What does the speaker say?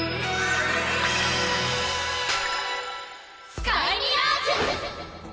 スカイミラージュ！